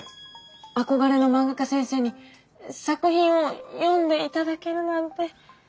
憧れの漫画家先生に作品を読んで頂けるなんて。